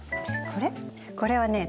これはね